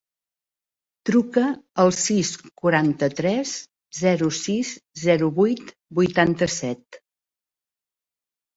Truca al sis, quaranta-tres, zero, sis, zero, vuit, vuitanta-set.